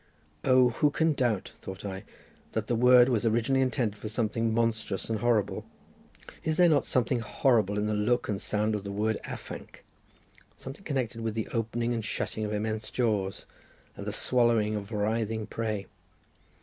"O, who can doubt," thought I, "that the word was originally intended for something monstrous and horrible? Is there not something horrible in the look and sound of the word afanc, something connected with the opening and shutting of immense jaws, and the swallowing of writhing prey?